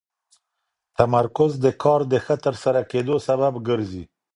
تمرکز د کار د ښه ترسره کېدو سبب ګرځي.